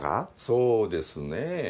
そうですねえ。